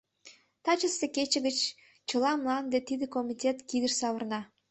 — Тачысе кече гыч чыла мланде тиде комитет кидыш савырна.